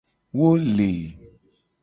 Wo le.